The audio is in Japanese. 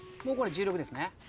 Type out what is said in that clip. もうこれ１６ですね。